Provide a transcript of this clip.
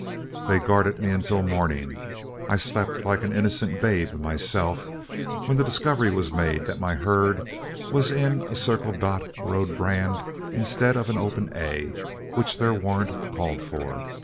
They guarded me until morning, I slept like an innocent babe myself, when the discovery was made that my herd was in a 'Circle Dot' road brand instead of an 'Open A,' which their warrant called for.